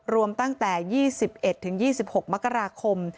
รวมตั้งแต่๒๑๒๖มกราคม